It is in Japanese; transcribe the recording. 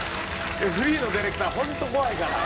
フリーのディレクターホント怖いから。